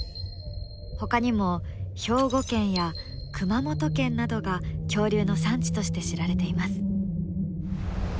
ほかにも兵庫県や熊本県などが恐竜の産地として知られています。